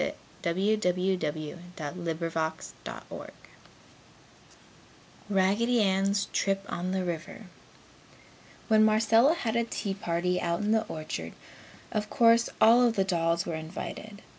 '" RAGGEDY ANN'S TRIP ON THE RIVER When Marcella had a tea party out in the orchard, of course all of the dolls were invited.